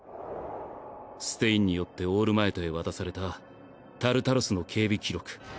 ステインによってオールマイトへ渡されたタルタロスの警備記録。